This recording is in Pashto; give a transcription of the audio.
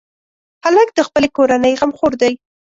هلک د خپلې کورنۍ غمخور دی.